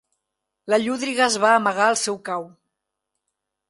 La llúdriga es va amagar al seu cau.